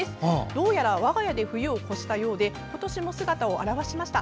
どうやら我が家で冬を越したようで今年も姿を現しました。